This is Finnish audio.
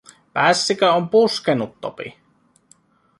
Pässikö on puskenut, Topi?